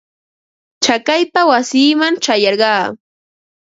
Chakaypa wasiiman ćhayarqaa.